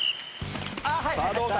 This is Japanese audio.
さあどうだ？